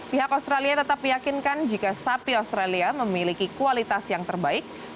pihak australia tetap meyakinkan jika sapi australia memiliki kualitas yang terbaik